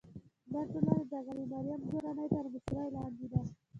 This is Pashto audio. دا ټولنه د اغلې مریم درانۍ تر مشرۍ لاندې ده.